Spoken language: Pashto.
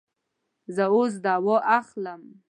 زه اوس دوا اخلم